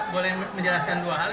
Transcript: boleh menjelaskan dua hal